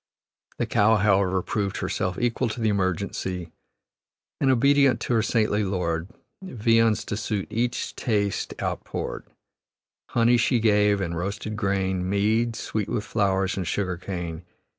The cow, however, proved herself equal to the emergency, and "Obedient to her saintly lord, Viands to suit each taste outpoured. Honey she gave, and roasted grain, Mead, sweet with flowers, and sugar cane.